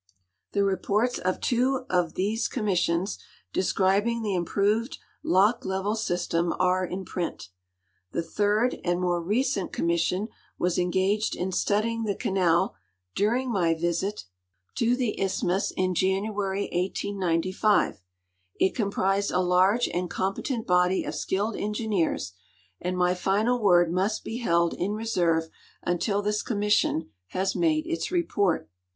The rejiorts of two of these commissions descrihing the ini|)roved lock level .system are in print. 'I'he third and more recent com mi.ssion was engaged in studying the canal during my visit to tin; 6'J 60 THE PANAMA CANAL ROUTE isthmus in January, 1895. It comprised a large and competent Imdy of skilled engineers, and my final word must V>e held in reserve until this commission has made its report.